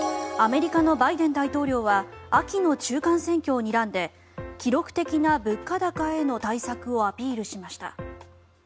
アメリカのバイデン大統領は秋の中間選挙をにらんで記録的な物価高への対策をアピールしました。